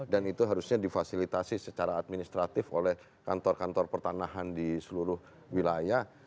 dan itu harusnya difasilitasi secara administratif oleh kantor kantor pertanahan di seluruh wilayah